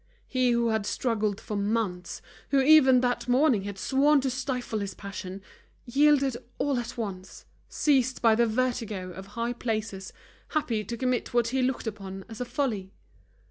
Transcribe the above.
He who had struggled for months, who even that morning had sworn to stifle his passion, yielded all at once, seized by the vertigo of high places, happy to commit what he looked upon as a folly.